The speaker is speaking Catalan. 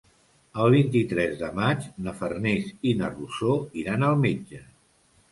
El vint-i-tres de maig na Farners i na Rosó iran al metge.